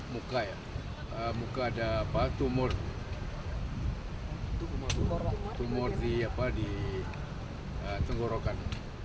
muka ada tumor di tenggorokan